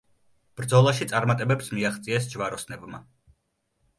ბრძოლაში წარმატებებს მიაღწიეს ჯვაროსნებმა.